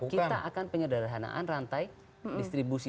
kita akan penyederhanaan rantai distribusi